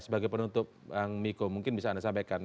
sebagai penutup bang miko mungkin bisa anda sampaikan